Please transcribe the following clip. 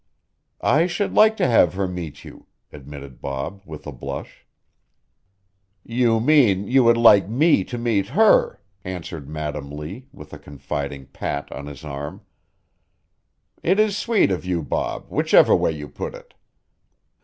"I should like to have her meet you," admitted Bob, with a blush. "You mean you would like me to meet her," answered Madam Lee, with a confiding pat on his arm. "It is sweet of you, Bob, whichever way you put it.